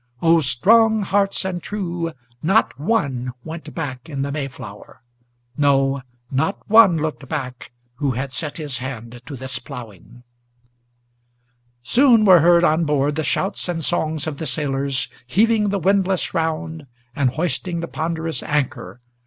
O strong hearts and true! not one went back in the Mayflower! No, not one looked back, who had set his hand to this ploughing! Soon were heard on board the shouts and songs of the sailors Heaving the windlass round, and hoisting the ponderous anchor.